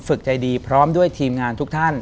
ฝึกใจดีพร้อมด้วยทีมงานทุกท่าน